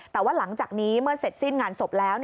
แต่ว่าหลังจากนี้เมื่อเสร็จสิ้นงานศพแล้ว